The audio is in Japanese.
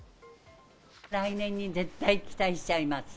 来年に絶対期待しちゃいます。